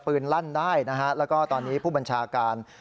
ปืนไล่ได้นะครับแล้วตอนนี้ผู้บัญชาการ